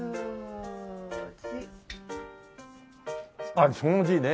ああその字ね。